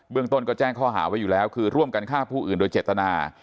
ต้นก็แจ้งข้อหาไว้อยู่แล้วคือร่วมกันฆ่าผู้อื่นโดยเจตนา